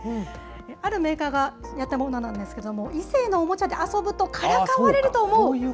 あるメーカーがやったものなんですけれども、異性のおもちゃで遊ぶとからかわれると思う。